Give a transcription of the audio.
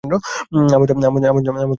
আমুথা এখানে আছে, সেল্লুরে।